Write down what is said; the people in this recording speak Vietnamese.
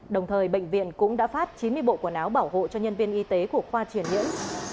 đồng thời bệnh viện cũng đã phát chín mươi bộ quần áo bảo hộ cho nhân viên y tế của khoa truyền nhiễm